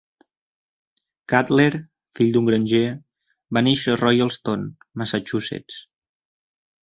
Cutler, fill d'un granger, va néixer a Royalston, Massachusetts.